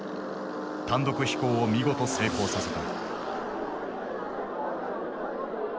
単独飛行を見事成功させた。